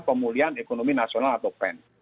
pemulihan ekonomi nasional atau pen